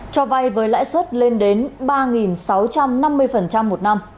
cho vay với lãi suất lên đến ba sáu trăm năm mươi một năm